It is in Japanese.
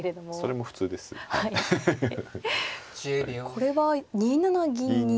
これは２七銀に。